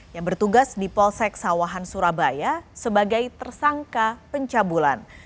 yang bertugas di polsek sawahan surabaya sebagai tersangka pencabulan